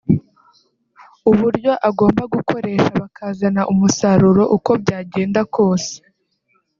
uburyo agomba gukoresha bakazana umusaruro uko byagenda kose